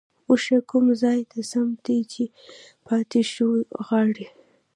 ـ اوښه کوم ځاى د سم دى ،چې پاتې شوه غاړه؟؟